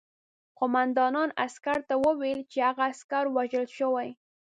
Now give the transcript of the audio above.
قوماندان عسکر ته وویل چې هغه عسکر وژل شوی